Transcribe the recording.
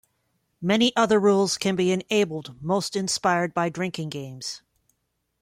Many other rules can be enabled, most inspired by drinking games.